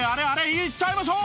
いっちゃいましょう！